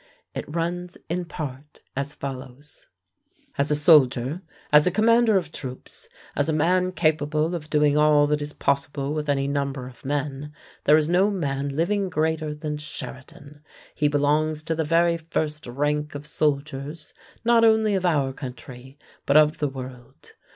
It runs, in part, as follows: "As a soldier, as a commander of troops, as a man capable of doing all that is possible with any number of men, there is no man living greater than Sheridan. He belongs to the very first rank of soldiers, not only of our country but of the world.